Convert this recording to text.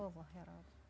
ya allah ya